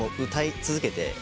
歌い続けて。